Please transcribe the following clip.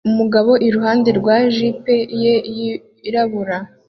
Umugabo iruhande rwa jip ye yirabura